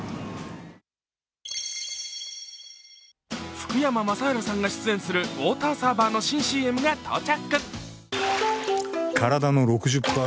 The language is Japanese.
福山雅治さんが出演するウォーターサーバーの新ＣＭが到着。